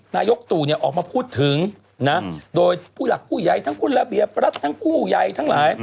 นายกตุ๋นี่ออกมาพูดถึงนะ